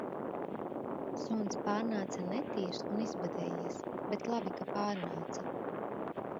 Suns pārnāca netīrs un izbadējies, bet labi, ka pārnāca